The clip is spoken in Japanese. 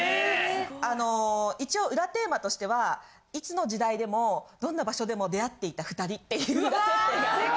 あの一応裏テーマとしてはいつの時代でもどんな場所でも出会っていた２人っていう裏設定があって。